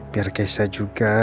biar kesha juga